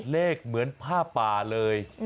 เลขเหมือนผ้าป่าเลย